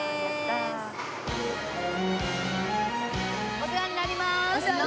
お世話になります。